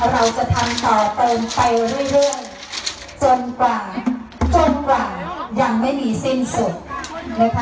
เราจะทำต่อเติมไปเรื่อยจนกว่าจนกว่ายังไม่มีสิ้นสุดนะคะ